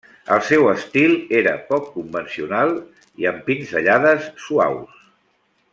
El seu estil era poc convencional i amb pinzellades suaus.